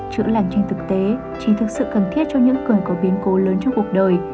chữ làm trên thực tế chỉ thực sự cần thiết cho những cường có biến cố lớn trong cuộc đời